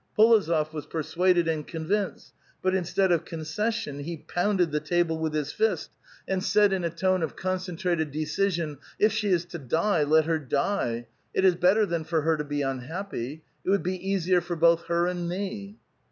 P6lozof was persuaded and convinced, but instead of concession, he pounded the table with his fist, and said la A VITAL QUESTION, 409 a tone of concentrated decision, "If sbe is to die, let her die ; it is better than for her to be unhappy : it wculd be easier for bot'i her and me